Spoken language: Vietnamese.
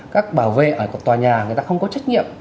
các bảo vệ ở tòa nhà người ta không có trách nhiệm